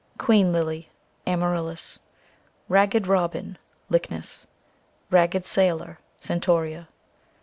Queen Lily, 44 Amaryllis. Ragged Robin, 44 Lychnis. Ragged Sailor, 44 Centaurea.